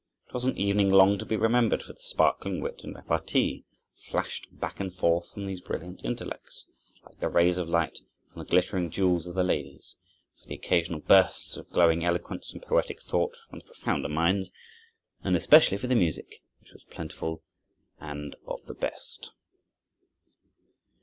It was an evening long to be remembered for the sparkling wit and repartee, flashed back and forth from these brilliant intellects, like the rays of light from the glittering jewels of the ladies, for the occasional bursts of glowing eloquence and poetic thought from the profounder minds, and especially for the music, which was plentiful and of the best.